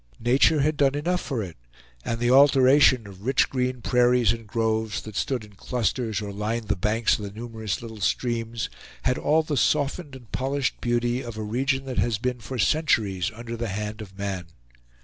Nature had done enough for it; and the alteration of rich green prairies and groves that stood in clusters or lined the banks of the numerous little streams, had all the softened and polished beauty of a region that has been for centuries under the hand of man.